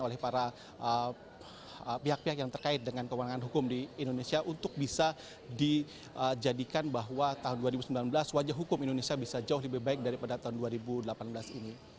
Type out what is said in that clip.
oleh para pihak pihak yang terkait dengan kewenangan hukum di indonesia untuk bisa dijadikan bahwa tahun dua ribu sembilan belas wajah hukum indonesia bisa jauh lebih baik daripada tahun dua ribu delapan belas ini